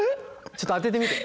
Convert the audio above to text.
ちょっと当ててみて。